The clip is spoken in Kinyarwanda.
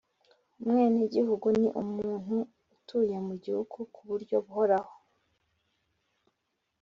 Umwenegihugu ni umuntu utuye mu gihugu kuburyo buhoraho